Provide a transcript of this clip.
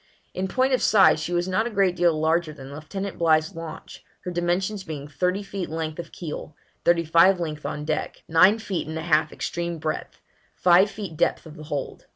In point of size she was not a great deal larger than Lieutenant Bligh's launch, her dimensions being thirty feet length of keel; thirty five feet length on deck; nine feet and a half extreme breadth; five feet depth of the hold.